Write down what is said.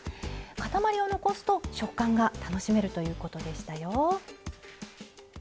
塊を残すと食感が楽しめるということでしたよ。